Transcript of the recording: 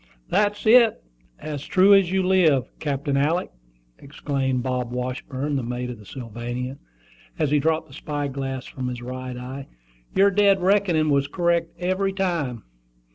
"That's it, as true as you live, Captain Alick!" exclaimed Bob Washburn, the mate of the Sylvania, as he dropped the spy glass from his right eye. "Your dead reckoning was correct every time."